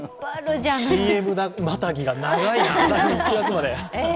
ＣＭまたぎが長い、１月まで。